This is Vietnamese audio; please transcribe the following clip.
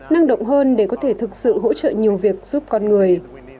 năng động hơn để có thể thực sự hỗ trợ nhiều việc giúp con người